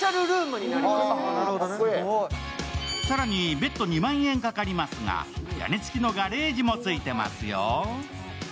更に別途２万円かかりますが屋根付きのガレージもついていますよ。